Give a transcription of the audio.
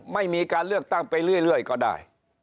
ไม่มีการเลือกตั้งไปเรื่อยก็ได้